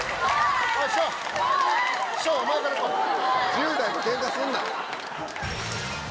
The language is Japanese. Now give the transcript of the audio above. １０代とケンカすんな！